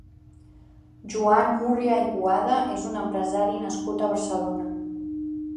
Joan Múrria i Boada és un empresari nascut a Barcelona.